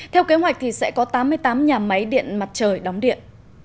theo kế hoạch thì sẽ có tám mươi tám nhà máy điện mặt trời đóng điện